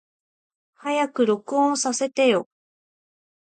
早く録音させてよ。